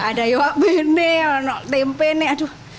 ada iwak pene ada tempe aduh